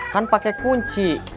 kan pake kunci